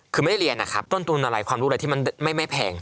คือไม่ได้เรียนนะครับต้นทุนอะไรความรู้อะไรที่มันไม่แพง